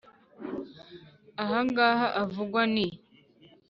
Aha ngaha uvugwa ni